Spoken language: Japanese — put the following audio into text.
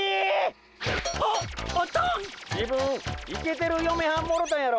自分イケてるよめはんもろたんやろ？